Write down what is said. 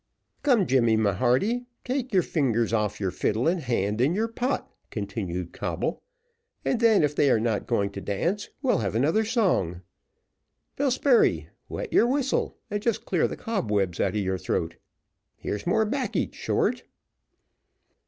"Come, Jemmy, my hearty, take your fingers off your fiddle, and hand in your pot," continued Coble; "and then if they are not going to dance, we'll have another song. Bill Spurey, wet your whistle, and just clear the cobwebs out of your throat. Here's more 'baccy, Short."